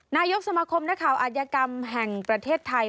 นายกสมาคมนักข่าวอาจยกรรมแห่งประเทศไทย